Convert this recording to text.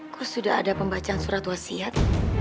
aku sudah ada pembacaan surat waksiat